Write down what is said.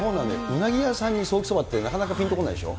うなぎ屋さんにソーキそばってなかなかぴんとこないでしょ。